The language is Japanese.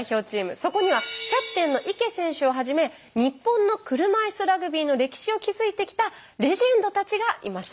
そこにはキャプテンの池選手をはじめ日本の車いすラグビーの歴史を築いてきたレジェンドたちがいました。